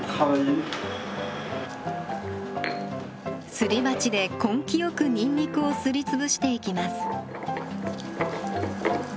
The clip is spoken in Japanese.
すり鉢で根気よくにんにくをすりつぶしていきます。